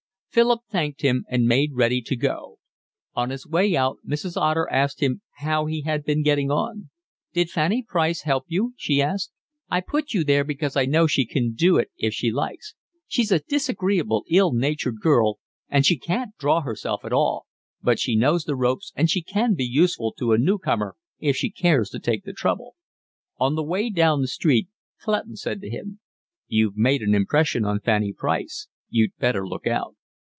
Philip thanked him and made ready to go. On his way out Mrs. Otter asked him how he had been getting on. "Did Fanny Price help you?" she asked. "I put you there because I know she can do it if she likes. She's a disagreeable, ill natured girl, and she can't draw herself at all, but she knows the ropes, and she can be useful to a newcomer if she cares to take the trouble." On the way down the street Clutton said to him: "You've made an impression on Fanny Price. You'd better look out."